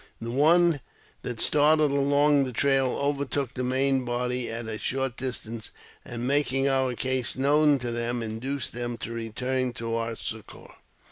The one that started along the trail overtook the main body at a short distance, and, making our case known to them, induced them to return to our succour.